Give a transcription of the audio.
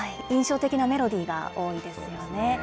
印象的なメロディーが多いですよね。